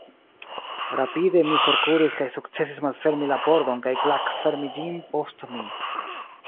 Rapide mi forkuris kaj sukcesis malfermi la pordon kaj klakfermi ĝin post mi.